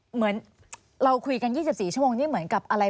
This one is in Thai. เหมือนเราคุยกัน๒๔ชั่วโมงนี่เหมือนกับอะไร